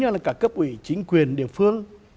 chính là cả cấp ủy chính quyền địa phương